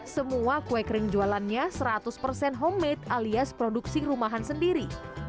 semua kue kering jualannya seratus persen homemade alias produksi rumahan sendiri